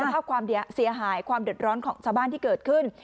ภาพความเสียหายความเดือดร้อนของชาวบ้านที่เกิดขึ้น